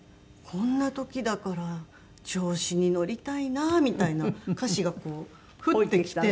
「こんな時だからちょうしに乗りたいな」みたいな歌詞がこう降ってきて。